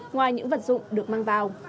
ngoài những vật dụng được mang vào